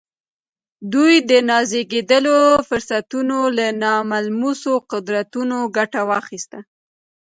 دوی د نازېږېدلو فرصتونو له ناملموسو قدرتونو ګټه واخيسته.